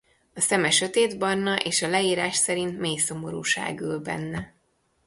A szeme sötétbarna és a leírás szerint mély szomorúság ül benne.